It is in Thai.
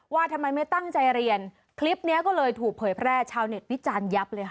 ว่าทำไมไม่ตั้งใจเรียนคลิปนี้ก็เลยถูกเผยแพร่ชาวเน็ตวิจารณ์ยับเลยค่ะ